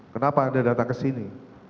kenapa anda datang ke sini